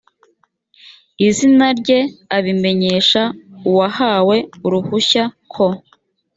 izina rye abimenyesha uwahawe uruhushya ko